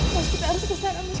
mas kita harus ke sekarang